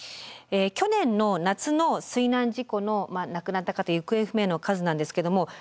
去年の夏の水難事故の亡くなった方行方不明の数なんですけども全世代で見た場合に